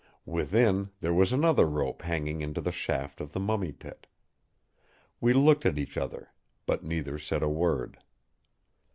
Within, there was another rope hanging into the shaft of the Mummy Pit. We looked at each other; but neither said a word.